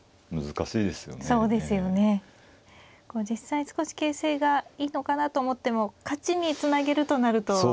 実際少し形勢がいいのかなと思っても勝ちにつなげるとなると。